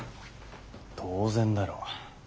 当然だろ。